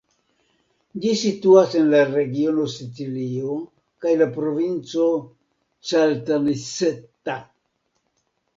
Ĝi situas en la regiono Sicilio kaj la provinco Caltanissetta.